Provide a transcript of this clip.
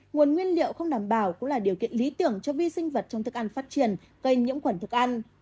nguồn nguyên liệu không đảm bảo cũng là điều kiện lý tưởng cho vi sinh vật trong thức ăn phát triển gây nhiễm quẩn thức ăn